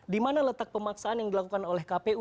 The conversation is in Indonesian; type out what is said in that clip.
dimana letak pemaksaan yang dilakukan oleh kpu